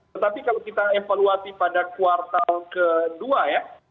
tetapi kalau kita evaluasi pada kuartal ke dua ya